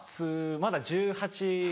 まだ１８歳？